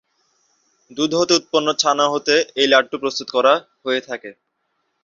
দুধ হতে উৎপন্ন ছানা হতে এ লাড্ডু প্রস্তুত করা হয়ে থাকে।